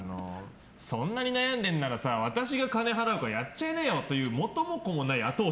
そんなに悩んでるならさ私が金払うからやっちゃいなよ！という元も子もないああ。